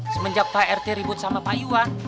semenjak pak rt ribut sama pak iwan